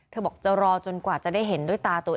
บอกจะรอจนกว่าจะได้เห็นด้วยตาตัวเอง